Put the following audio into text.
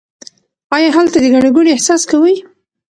آیا هلته د ګڼې ګوڼې احساس کوئ؟